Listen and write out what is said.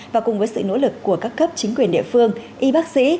và cùng với sự nỗ lực của các cấp chính quyền địa phương y bác sĩ